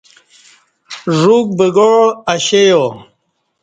ژوک بگاع اشیا